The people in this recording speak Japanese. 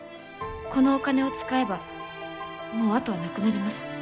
このお金を使えばもう後はなくなります。